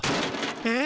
え？